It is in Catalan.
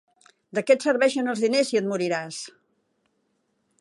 De què et serveixen els diners si et moriràs?